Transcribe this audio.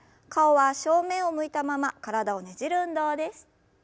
顔は正面を向いたまま体をねじる運動です。